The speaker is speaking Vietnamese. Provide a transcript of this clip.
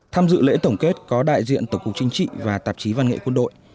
tham dự lễ tổng kết có đại diện tổng cục chính trị và tạp chí văn nghệ quân đội